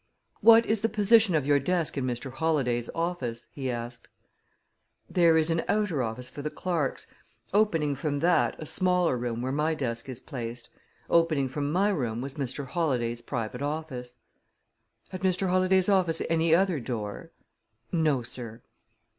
"What is the position of your desk in Mr. Holladay's office?" he asked. "There is an outer office for the clerks; opening from that, a smaller room where my desk is placed. Opening from my room was Mr. Holladay's private office. "Had Mr. Holladay's office any other door?" "No, sir."